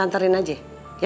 tante anterin aja ya